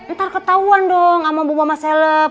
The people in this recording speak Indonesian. ntar ketahuan dong sama bu mama seleb